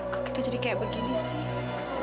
kok kita jadi kayak begini sih